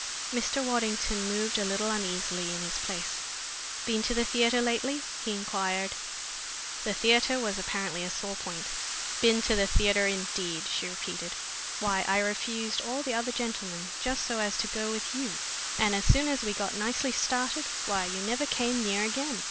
Mr. Waddington moved a little uneasily in his place. "Been to the theatre lately?" he inquired. The theatre was apparently a sore point. "Been to the theatre, indeed!" she repeated. "Why, I refused all the other gentlemen just so as to go with you, and as soon as we got nicely started, why, you never came near again!